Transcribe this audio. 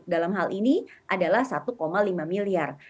dalam hal ini adalah satu lima miliar